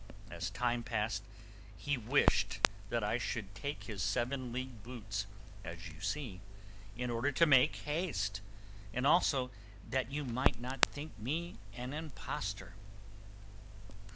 As time passed, he wished that I should take his seven league boots, as you see, in order to make haste, and also that you might not think me an impostor."